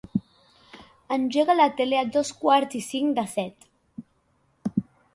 Engega la tele a dos quarts i cinc de set.